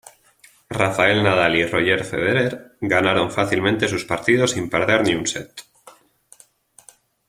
Rafael Nadal y Roger Federer ganaron fácilmente sus partidos sin perder ni un set.